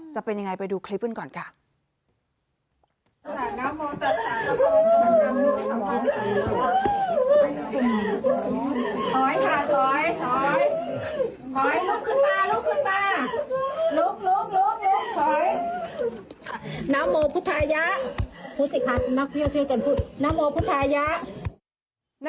จะเป็นยังไงไปดูคลิปกันก่อนค่ะ